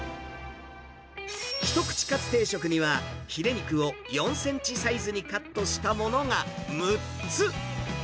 一口かつ定食には、ヒレ肉を４センチサイズにカットしたものが６つ。